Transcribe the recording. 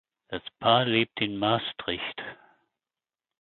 Das Paar lebt in Maastricht.